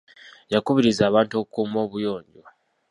Yakubiriza abantu okukuuma obuyonjo.